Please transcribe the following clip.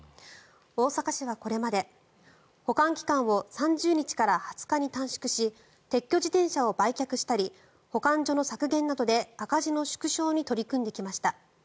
大阪市はこれまで、保管期間を３０日から２０日に短縮し撤去自転車を売却したり保管所の削減などで赤字の縮小に取り組んできました。